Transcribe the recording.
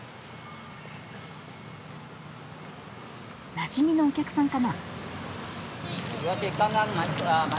なじみのお客さんかな？